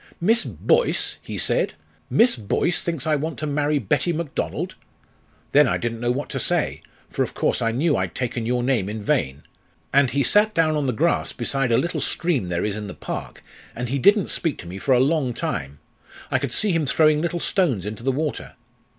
'Miss Boyce!' he said 'Miss Boyce thinks I want to marry Betty Macdonald?' Then I didn't know what to say for, of course, I knew I'd taken your name in vain; and he sat down on the grass beside a little stream there is in the park, and he didn't speak to me for a long time I could see him throwing little stones into the water.